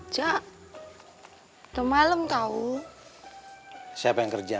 pa di malam masih saja kerja